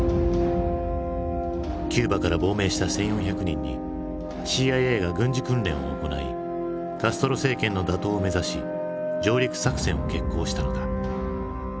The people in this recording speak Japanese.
キューバから亡命した１，４００人にＣＩＡが軍事訓練を行いカストロ政権の打倒を目指し上陸作戦を決行したのだ。